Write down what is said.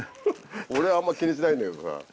俺あんまり気にしないんだけどさぁ。